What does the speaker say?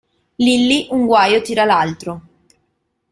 Lilli un guaio tira l'altro